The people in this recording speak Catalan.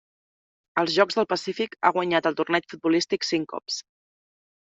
Als Jocs del Pacífic ha guanyat el torneig futbolístic cinc cops.